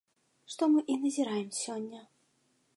Што мы і назіраем сёння.